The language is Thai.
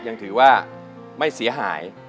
ยังถือว่าไม่เสียหาย